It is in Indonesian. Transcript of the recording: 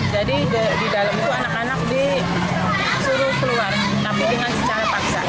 jadi di dalam itu anak anak disuruh keluar tapi dengan secara paksa